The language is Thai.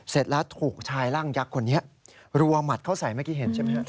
เสร็จแล้วถูกชายร่างยักษ์คนนี้รัวหมัดเข้าใส่เมื่อกี้เห็นใช่ไหมครับ